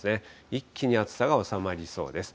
一気に暑さが収まりそうです。